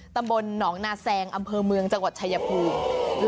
ตำบลหนองนาแซงอำเภอเมืองจังหวัดชายภูมิ